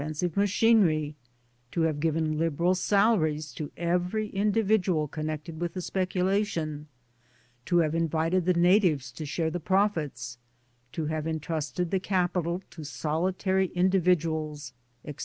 sive machinery, to have given liberal sala ries to every incKvidual connected with the speculation, to have invited the Natives to share the profits, to have intrusted the Capi tal to solitary individuals, &c.